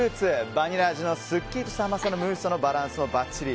バニラ味のすっきりとした甘さのムースとのバランスもばっちり。